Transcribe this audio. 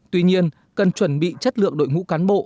tuy nhiên cần chuẩn bị chất lượng đội ngũ cán bộ